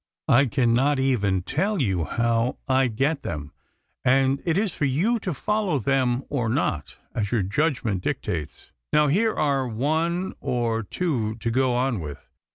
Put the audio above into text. I cannot even tell you how I get them, and it is for you to follow them or not as your judgment dictates. Now, here are one or two to go on with.